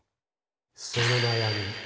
そのなやみ！